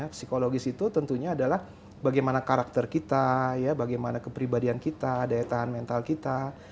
psikologis itu tentunya adalah bagaimana karakter kita bagaimana kepribadian kita daya tahan mental kita